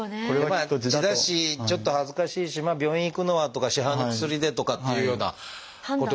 まあ痔だしちょっと恥ずかしいし病院へ行くのはとか市販の薬でとかっていうようなことに。